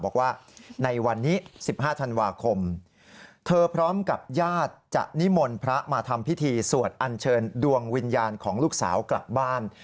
บอกว่าในวันนี้๑๕ธันวาคมเธอพร้อมกับญาติจะนิมนต์พระมาทำพิธีสวดอัญเชิญดวงวิญญาณของลูกสาวกลับบ้าน